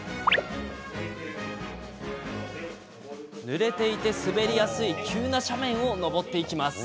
ぬれていて滑りやすい急な斜面を上っていきます。